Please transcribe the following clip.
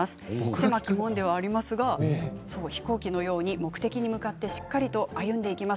狭き門ではありますが飛行機のように目的に向かってしっかりと歩んでいきます